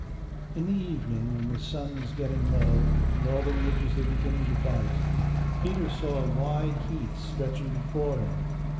In the evening, when the sun is getting low, and all the midges are beginning to bite, Peter saw a wide heath stretching before him.